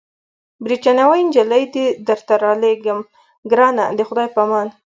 بریتانوۍ نجلۍ دي درته رالېږم، ګرانه د خدای په امان.